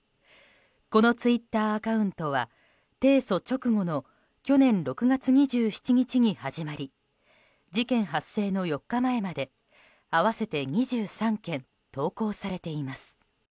このツイッターアカウントは提訴直後の去年６月２７日に始まり事件発生の４日前まで合わせて２３件投稿されています。